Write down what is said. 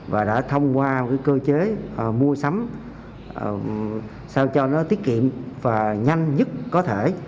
và đã thông qua cơ chế mua sắm sao cho nó tiết kiệm và nhanh nhất có thể